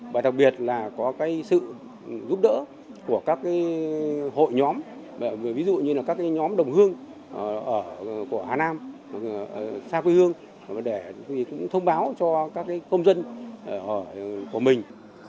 và đặc biệt là có sự giúp đỡ của các hội nhóm ví dụ như là các nhóm đồng hương của hà nam xa quê hương thì cũng thông báo cho các công dân của mình